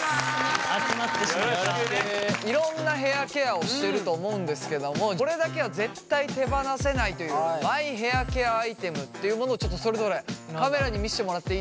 いろんなヘアケアをしてると思うんですけどもこれだけは絶対手放せないというマイヘアケアアイテムっていうものをちょっとそれぞれカメラに見せてもらってもいいですか？